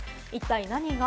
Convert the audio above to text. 一体何が？